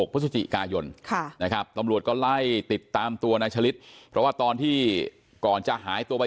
พฤศจิกายนนะครับตำรวจก็ไล่ติดตามตัวนายฉลิดเพราะว่าตอนที่ก่อนจะหายตัวไป